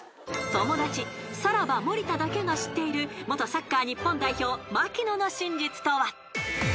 ［友達さらば森田だけが知っている元サッカー日本代表槙野の真実とは？］